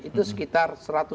itu sekitar rp seratus juta